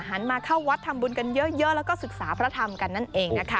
มาเข้าวัดทำบุญกันเยอะแล้วก็ศึกษาพระธรรมกันนั่นเองนะคะ